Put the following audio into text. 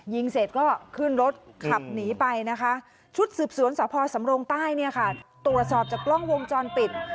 ยิงเสร็จก็ขึ้นรถขับหนีไปนะคะชุดสืบสวนสพสำรงใต้เนี่ยค่ะตรวจสอบจากกล้องวงจรปิด